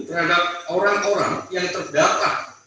terhadap orang orang yang terdapat